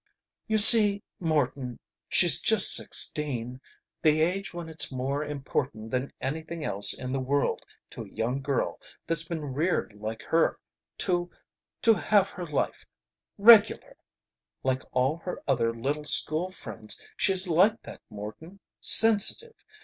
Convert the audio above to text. "You see, Morton, she's just sixteen. The age when it's more important than anything else in the world to a young girl that's been reared like her to to have her life regular! Like all her other little school friends. She's like that, Morton. Sensitive!